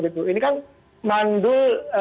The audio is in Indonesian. ini kan mandul